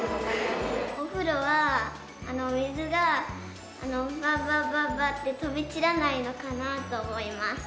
お風呂は水がバーバーバーバーって飛び散らないのかなと思います